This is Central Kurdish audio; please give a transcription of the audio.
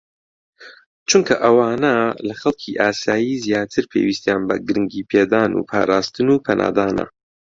چونکە ئەوانە لە خەڵکی ئاسایی زیاتر پێویستیان بە گرنگیپێدان و پاراستن و پەنادانە